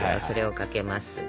それをかけます。